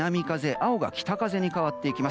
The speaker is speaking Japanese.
青色が北風に変わっていきます。